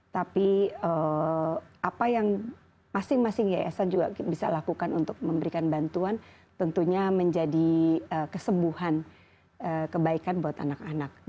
tapi apa yang masing masing yayasan juga bisa lakukan untuk memberikan bantuan tentunya menjadi kesembuhan kebaikan buat anak anak